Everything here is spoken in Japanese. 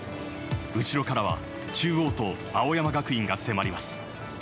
後ろからは中央と青山学院が迫ります。